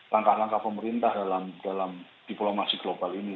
langkah langkah pemerintah dalam diplomasi global ini